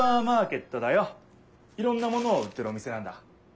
いろんな物を売ってるお店なんだ。